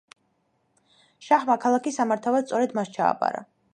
შაჰმა ქალაქი სამართავად სწორედ მას ჩააბარა.